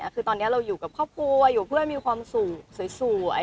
คือตอนนี้เราอยู่กับครอบครัวอยู่เพื่อมีความสุขสวย